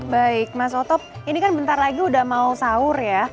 baik mas otop ini kan bentar lagi udah mau sahur ya